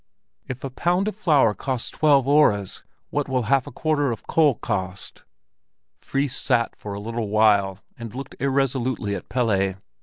"If a pound of flour costs twelve öres, what will half a quarter of coal cost?" Fris sat for a little while and looked irresolutely at Pelle.